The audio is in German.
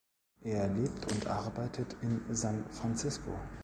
Er lebt und arbeitet in San Francisco.